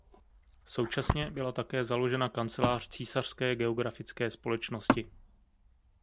Současně byla také založena kancelář Císařské geografické společnosti.